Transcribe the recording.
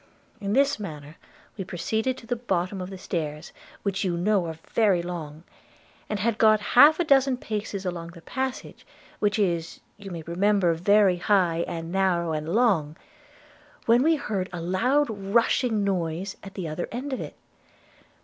In this manner we proceeded to the bottom of the stairs, which you know are very long, and had got half a dozen paces along the passage, which is, you may remember, very high and narrow and long, when we heard a loud rushing noise at the other end of it.